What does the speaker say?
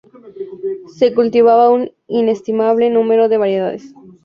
Se cultivaba un inestimable número de variedades.